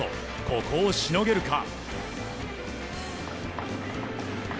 ここをしのげるか。